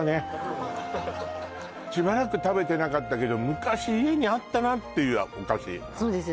しばらく食べてなかったけど昔家にあったなっていうお菓子そうですよね